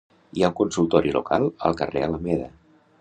Hi ha un consultori local al carrer Alameda.